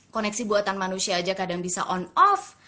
koneksi buatan manusia aja kadang bisa on off